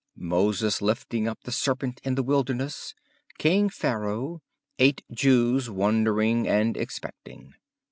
Moses lifting up the serpent in the wilderness; King Pharaoh; eight Jews wondering and expecting.